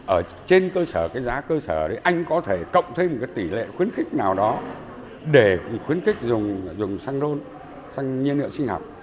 ở trên cơ sở giá cơ sở anh có thể cộng thêm một tỷ lệ khuyến khích nào đó để khuyến khích dùng xăng ron xăng nhiên liệu sinh học